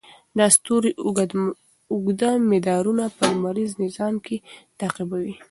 دا ستوري اوږده مدارونه په لمریز نظام کې تعقیبوي.